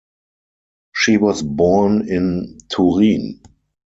She was born in Turin.